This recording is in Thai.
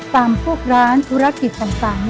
พวกร้านธุรกิจต่าง